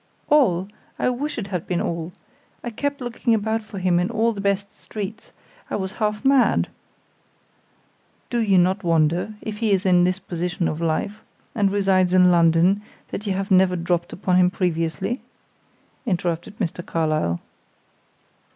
"All! I wish it had been all. I kept looking about for him in all the best streets; I was half mad " "Do you not wonder, if he is in this position of life, and resides in London, that you have never dropped upon him previously?" interrupted Mr. Carlyle.